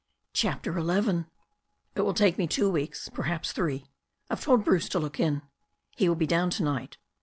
CHAPTER XI IT will take me two weeks, perhaps three. I've told Bruce to look in. He will be down to night.